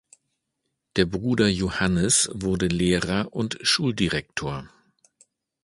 Der Bruder Johannes wurde Lehrer und Schuldirektor.